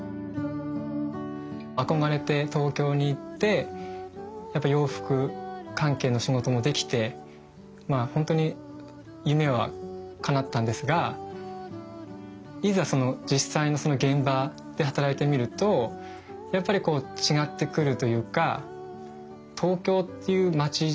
憧れて東京に行ってやっぱ洋服関係の仕事もできてまあ本当に夢はかなったんですがいざ実際のその現場で働いてみるとやっぱりこう違ってくるというか東京っていう町にすごくこう疲れたっていうか。